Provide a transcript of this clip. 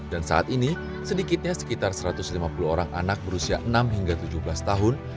dan saat ini sedikitnya sekitar satu ratus lima puluh orang anak berusia enam hingga tujuh belas tahun